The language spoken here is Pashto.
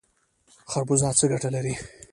خربوزه څه ګټه لري؟